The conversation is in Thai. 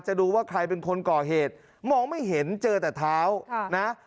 ดูว่าใครเป็นคนก่อเหตุมองไม่เห็นเจอแต่เท้านะ